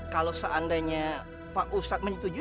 kalau seandainya pak ustadz menyetujui